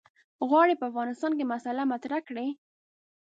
غواړي په افغانستان کې مسأله مطرح کړي.